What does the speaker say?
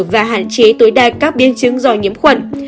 và hạn chế tối đa các biến chứng do nhiễm khuẩn